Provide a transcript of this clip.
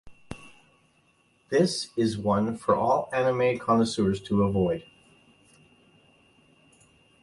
This is one for all anime connoisseurs to avoid.